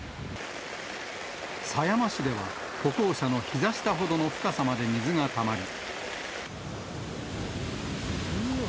狭山市では、歩行者のひざ下ほどの深さまで水がたまり。